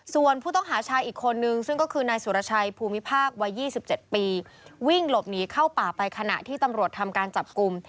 ส่วนผู้ต้องหาชายอีกคนนึงซึ่งก็คือนายสุรชัยภูมิภาควัย๒๗ปีวิ่งหลบหนีเข้าป่าไปขณะที่ตำรวจทำการจับกลุ่ม